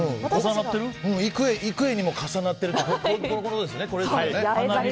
幾重にも重なってるというのはこういうことですね。